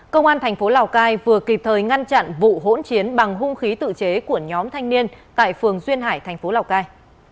công an tp lào cai vừa kịp thời ngăn chặn vụ hỗn chiến bằng hung khí tự chế của nhóm thanh niên tại phường duyên hải tp lào cai